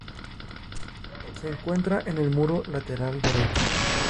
Se encuentra en el muro lateral derecho.